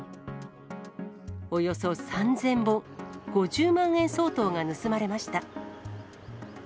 およそ３０００本、５０万円相当が盗まれました。